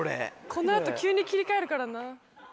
この後急に切り替えるからな。